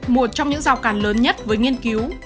một trong những giao cản lớn nhất với nghiên cứu